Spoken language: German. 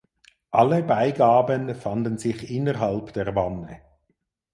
Alle Beigaben fanden sich innerhalb der Wanne.